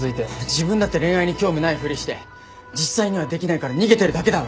自分だって恋愛に興味ないふりして実際にはできないから逃げてるだけだろ。